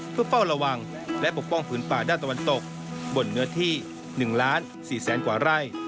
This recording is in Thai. เพื่อเฝ้าระวังและปกป้องผืนป่าด้านตะวันตกบนเนื้อที่๑ล้าน๔แสนกว่าไร่